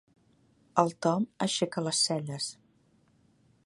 El Tom aixeca les celles.